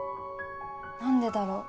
何でだろう